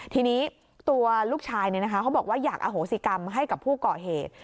ทีนี้ตัวลูกชายเขาบอกว่าอยากอโหสิกรรมให้กับผู้ก่อเหตุ